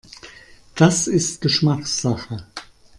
Das ist Geschmackssache.